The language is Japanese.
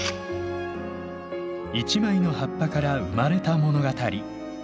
一枚の葉っぱから生まれた物語。